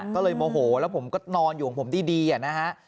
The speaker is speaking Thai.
ก็เลยโมโหแล้วผมก็นอนอยู่ของผมดีนะฮะ